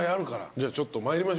じゃあちょっと参りましょう。